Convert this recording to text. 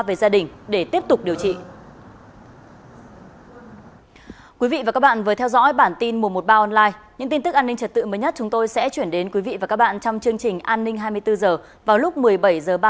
về gia đình để tiếp tục điều trị